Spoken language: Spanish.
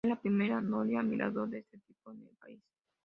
Es la primera noria-mirador de este tipo en el país.